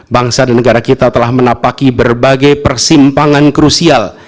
bangsa dan negara kita telah menapaki berbagai persimpangan krusial